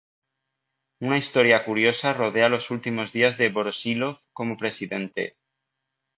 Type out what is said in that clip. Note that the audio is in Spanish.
Una historia curiosa rodea los últimos días de Voroshílov como presidente.